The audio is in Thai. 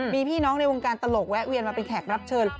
มีพี่น้องในวงการตลกแวะเวียนมาเป็นแขกรับเชิญ